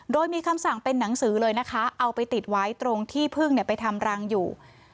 โดยมีคำสั่งเป็นหนังสือเลยนะคะเอาไปติดไว้ตรงที่พึ่งไปทำรังอยู่